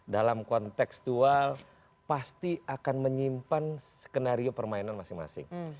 dalam konteks dual pasti akan menyimpan skenario permainan masing masing